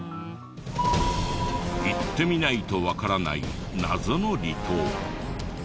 行ってみないとわからない謎の離島。